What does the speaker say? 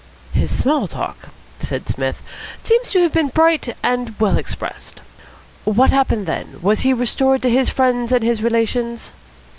"His small talk," said Psmith, "seems to have been bright and well expressed. What happened then? Was he restored to his friends and his relations?"